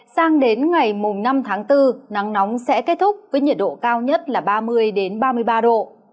sang đến ngày năm tháng bốn nắng nóng sẽ kết thúc với nhiệt độ cao nhất là ba mươi ba mươi ba độ